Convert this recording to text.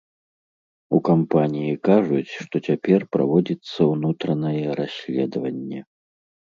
У кампаніі кажуць, што цяпер праводзіцца ўнутранае расследаванне.